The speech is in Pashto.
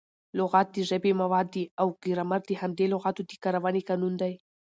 لغت د ژبي مواد دي او ګرامر د همدې لغاتو د کاروني قانون دئ.